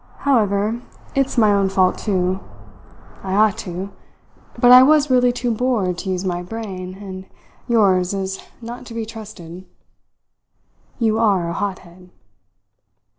However, it's my own fault too. I ought to but I was really too bored to use my brain, and yours is not to be trusted. You are a hothead!"